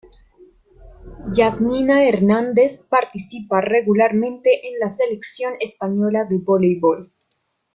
Yasmina Hernández participa regularmente en la Selección Española de Voleibol.